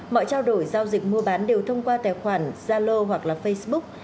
mọi trao đổi giao dịch mua bán đều thông qua tài khoản zalo hoặc là facebook